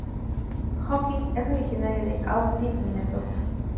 Hocking es originaria de Austin, Minnesota.